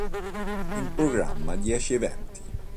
In programma dieci eventi.